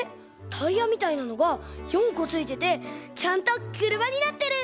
タイヤみたいなのが４こついててちゃんとくるまになってる！